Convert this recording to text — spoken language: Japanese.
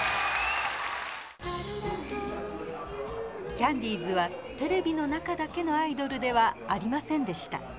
キャンディーズはテレビの中だけのアイドルではありませんでした。